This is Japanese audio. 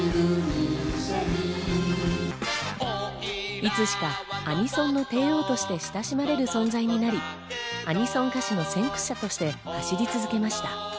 いつしかアニソンの帝王として親しまれる存在になり、アニソン歌手の先駆者として走り続けました。